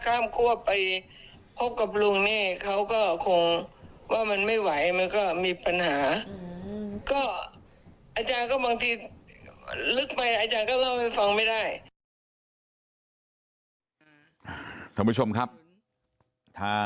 กล้ามควบไปพบกับลุงนี่เขาก็คงว่ามันไม่เว้ยมีปัญหา